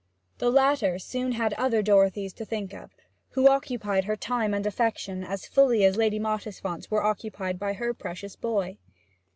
The latter soon had other Dorothys to think of, who occupied her time and affection as fully as Lady Mottisfont's were occupied by her precious boy.